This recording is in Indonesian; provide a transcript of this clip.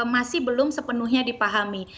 masih belum sepenuhnya dipahami